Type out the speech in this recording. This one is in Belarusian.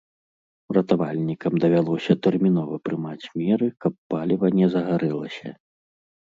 Ратавальнікам давялося тэрмінова прымаць меры, каб паліва не загарэлася.